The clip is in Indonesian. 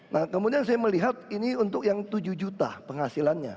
nah kemudian saya melihat ini untuk yang tujuh juta penghasilannya